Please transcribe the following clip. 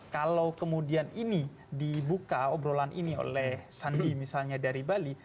kalau kemudian ini dibuka obrolan ini oleh sandi misalnya dari bali